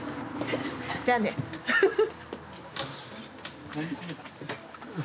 じゃあねフフッ。